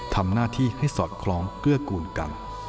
ทำหน้าที่ให้สอดคล้องเกื้อกูลกัน